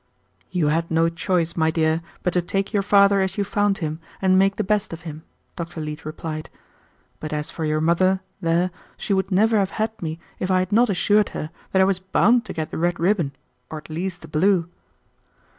"You had no choice, my dear, but to take your father as you found him and make the best of him," Dr. Leete replied; "but as for your mother, there, she would never have had me if I had not assured her that I was bound to get the red ribbon or at least the blue."